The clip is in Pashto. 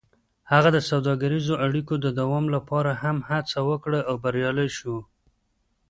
هغه د سوداګریزو اړیکو د دوام لپاره هم هڅه وکړه او بریالی شو.